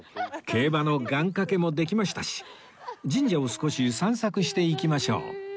競馬の願掛けもできましたし神社を少し散策していきましょう